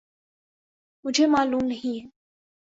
مجھے معلوم نہیں ہے۔